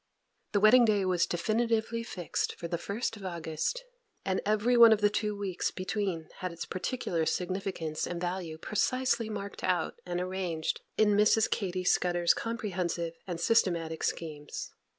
The wedding day was definitively fixed for the 1st of August, and every one of the two weeks between had its particular significance and value precisely marked out and arranged in Mrs. Katy Scudder's comprehensive and systematic schemes.